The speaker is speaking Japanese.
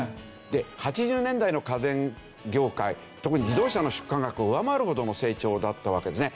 ８０年代の家電業界特に自動車の出荷額を上回るほどの成長だったわけですね。